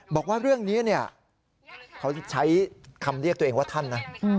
บอกว่าเรื่องนี้เขาใช้คำเรียกตัวเองว่าท่านนะ